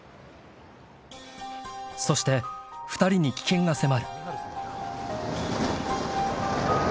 ［そして２人に危険が迫る］